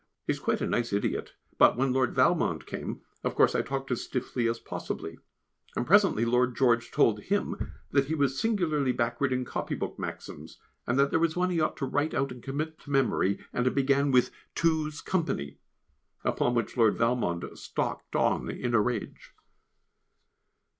He is quite a nice idiot, but, when Lord Valmond came, of course I talked as stiffly as possibly, and presently Lord George told him that he was singularly backward in copybook maxims, and that there was one he ought to write out and commit to memory, and it began with "Two's Company," upon which Lord Valmond stalked on in a rage.